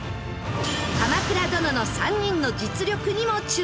『鎌倉殿』の３人の実力にも注目です！